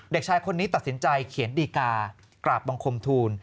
เด็กชายคนนี้ตัดสินใจเขียนดีกากราบบังคมทูล